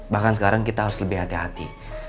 bahkan sekarang kita harus lebih hati hati